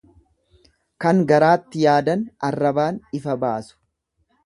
Kan garaatti yaadan arrabaan ifa baasu.